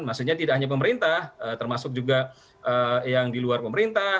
maksudnya tidak hanya pemerintah termasuk juga yang di luar pemerintah